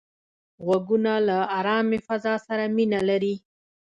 غوږونه له آرامې فضا سره مینه لري